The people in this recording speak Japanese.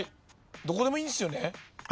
どこでもいいですよね？